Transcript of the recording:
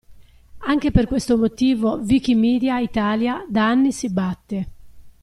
Anche per questo motivo, Wikimedia Italia da anni si batte.